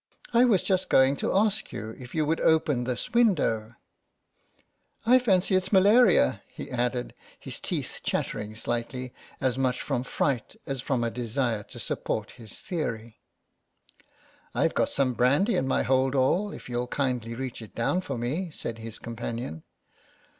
" I was just going to ask you if you would open this window.'* THE MOUSE 121 " I fancy it's malaria/' he added, his teeth chattering slightly, as much from fright as from a desire to support his theory. " IVe got some brandy in my hold all, if you'll kindly reach it down for me," said his companion.